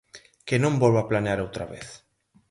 Que non volva planear outra vez.